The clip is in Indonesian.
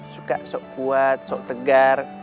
suka sok kuat sok tegar